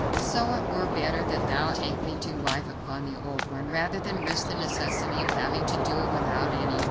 So it were better that thou take me to wife upon the old one, rather than risk the necessity of having to do it without any.